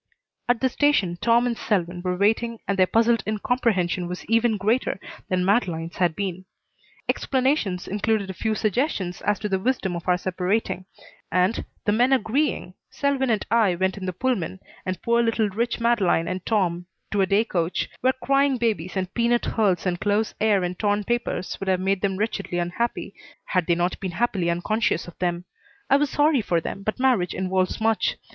At the station Tom and Selwyn were waiting and their puzzled incomprehension was even greater than Madeleine's had been. Explanations included a few suggestions as to the wisdom of our separating and, the men agreeing, Selwyn and I went in the Pullman, and poor little rich Madeleine and Tom to a day coach, where crying babies and peanut hulls and close air and torn papers would have made them wretchedly unhappy had they not been happily unconscious of them. I was sorry for them, but marriage involves much.